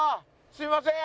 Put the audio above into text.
すいません。